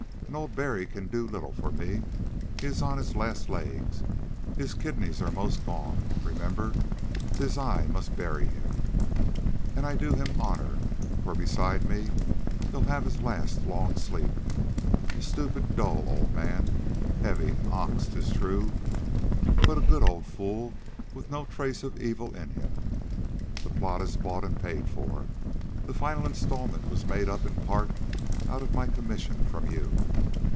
And old Barry can do little for me. He is on his last legs. His kidneys are 'most gone. Remember, 'tis I must bury him. And I do him honor, for beside me he'll have his last long sleep. A stupid, dull old man, heavy, an ox, 'tis true; but a good old fool with no trace of evil in him. The plot is bought and paid for the final installment was made up, in part, out of my commissions from you.